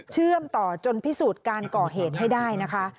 เชื่อมต่อจนพิสูจน์การก่อเหตุให้ได้นะคะ